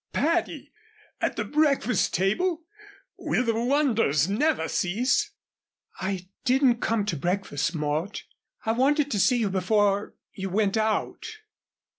Patty! At the breakfast table? Will the wonders never cease?" "I didn't come to breakfast, Mort. I wanted to see you before you went out."